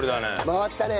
回ったね。